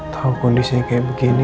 tau kondisinya kayak begini